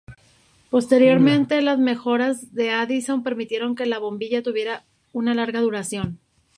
Posteriormente, las mejoras de Edison permitieron que la bombilla tuviera una larga duración.